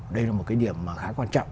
đây là một cái điểm khá quan trọng